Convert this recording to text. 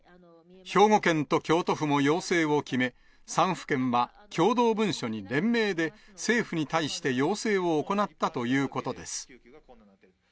兵庫県と京都府も要請を決め、３府県は共同文書に連名で、政府に対して要請を行ったということです。